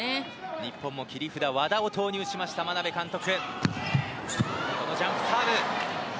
日本も切り札、和田を投入した眞鍋監督。